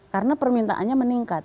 karena permintaannya meningkat